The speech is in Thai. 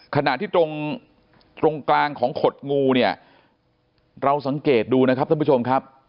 ขณะที่ตรงตรงกลางของขดงูเนี่ยเราสังเกตดูนะครับท่านผู้ชมครับ